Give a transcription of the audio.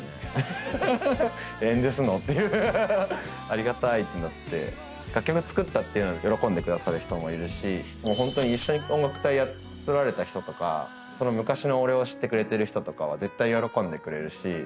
ありがたいってなって楽曲作ったっていうの喜んでくださる人もいるしもうホントに一緒に音楽隊やってこられた人とかその昔の俺を知ってくれてる人とかは絶対喜んでくれるし